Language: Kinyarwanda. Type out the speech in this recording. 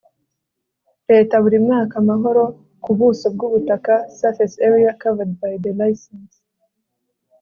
Leta buri mwaka amahoro ku buso bw ubutaka surface area covered by the licence